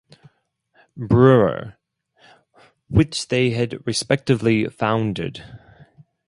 Brewer which they had respectively founded.